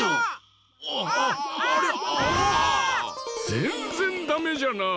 ぜんぜんダメじゃなあ。